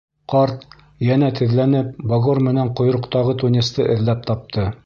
Ҡарт, йәнә теҙләнеп, багор менән ҡойроҡтағы тунецты эҙләп тапты.